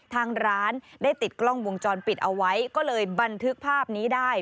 ทางร้านได้ติดกล้องวงจรปิดเอาไว้ก็เลยบันทึกภาพนี้ได้